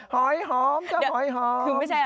หอยหอมเจ้าหอยหอม